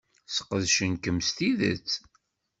Sqedcen-kem s tidet.